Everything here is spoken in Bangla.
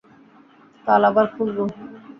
কাল আবার খুঁজব।